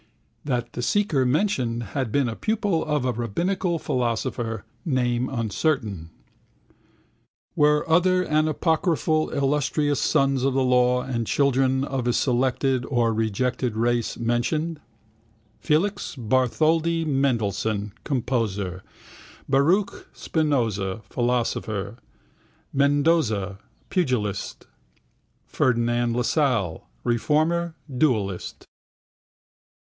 That the seeker mentioned had been a pupil of a rabbinical philosopher, name uncertain. Were other anapocryphal illustrious sons of the law and children of a selected or rejected race mentioned? Felix Bartholdy Mendelssohn (composer), Baruch Spinoza (philosopher), Mendoza (pugilist), Ferdinand Lassalle (reformer, duellist).